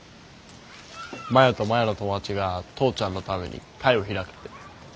マヤとマヤの友達が父ちゃんのために会を開くって。